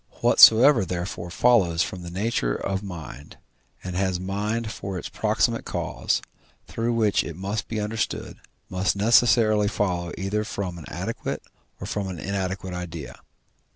Whatsoever therefore follows from the nature of mind, and has mind for its proximate cause, through which it must be understood, must necessarily follow either from an adequate or from an inadequate idea.